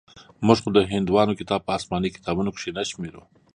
موږ خو د هندوانو کتاب په اسماني کتابونو کښې نه شمېرو.